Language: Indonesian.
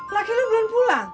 laki lu belum pulang